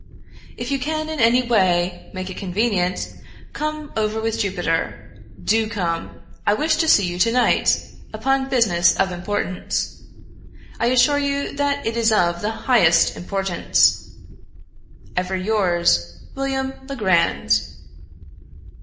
"If you can, in any way, make it convenient, come over with Jupiter. Do come. I wish to see you to night, upon business of importance. I assure you that it is of the highest importance. " Ever yours, " William Legrand."